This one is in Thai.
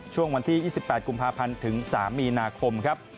ช่วงวันที่๒๘กุมภาพันธ์ถึง๓มีนาคมครับ